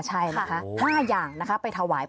ใช่นะคะ๕อย่างนะไปถวายพระ